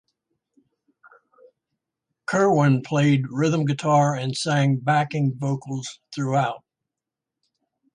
Kirwan played rhythm guitar and sang backing vocals throughout.